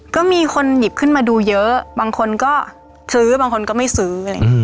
ก็มีคนหยิบขึ้นมาดูเยอะบางคนก็ซื้อบางคนก็ไม่ซื้อ